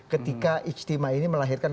ketika istimewa ini melahirkan